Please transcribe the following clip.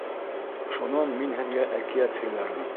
Шунан мин һеҙгә әкиәт һөйләрмен.